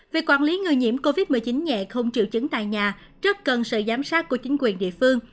việc quản lý người nhiễm covid một mươi chín nhẹ không triệu chứng tại nhà rất cần sự giám sát của chính quyền địa phương